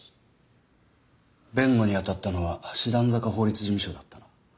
弁護に当たったのは師団坂法律事務所だったな。